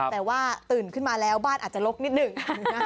แต่ว่าตื่นขึ้นมาแล้วบ้านอาจจะลกนิดหนึ่ง